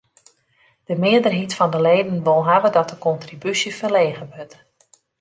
De mearheid fan de leden wol hawwe dat de kontribúsje ferlege wurdt.